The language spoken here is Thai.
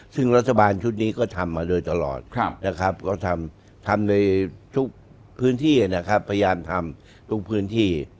ซึ่งรัฐบาลชุดนี้ก็ทำมาโดยตลอดนะครับก็ทำในทุกพื้นที่นะครับพยายามทำทุกพื้นที่